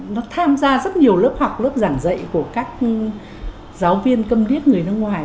nó tham gia rất nhiều lớp học lớp giảng dạy của các giáo viên câm điếc người nước ngoài